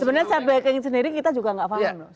sebenarnya self blocking sendiri kita juga gak paham loh